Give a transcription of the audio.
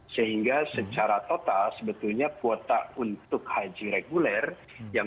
sehingga secara total sebetulnya kuota untuk haji reguler yang dua ratus tiga